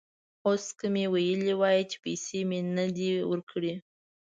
اوس که مې ویلي وای چې پیسې مې نه دي ورکړي.